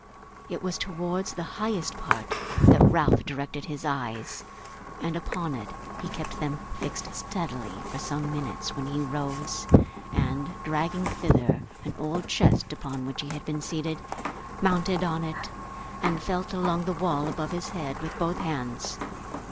It was towards the highest part that Ralph directed his eyes; and upon it he kept them fixed steadily for some minutes, when he rose, and dragging thither an old chest upon which he had been seated, mounted on it, and felt along the wall above his head with both hands.